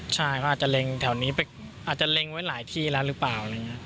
ใช่เขาอาจจะเล็งแถวนี้ไปอาจจะเล็งไว้หลายที่แล้วหรือเปล่า